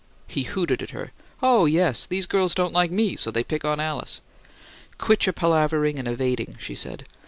He hooted at her. "Oh, yes! These girls don't like ME, so they pick on Alice." "Quit your palavering and evading," she said.